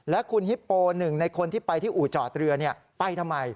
และคุณฮิปโปหนึ่งในคนที่ไปที่อู่จอดเรือไปทำไม